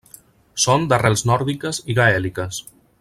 Són d'arrels nòrdiques i gaèliques.